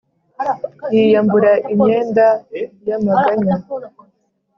yiyambura imyenda y’amaganya,